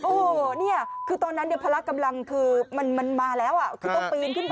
โอ้โหนี่คือตอนนั้นเนี่ยพละกำลังคือมันมาแล้วคือต้องปีนขึ้นไป